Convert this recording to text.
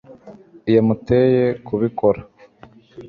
yamuteye kubikora